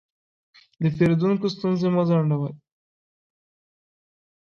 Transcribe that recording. د پیرودونکو ستونزې مه ځنډوئ.